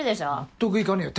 納得いかねぇよ。